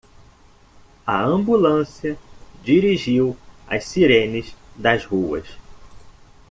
A ambulância dirigiu as sirenes das ruas.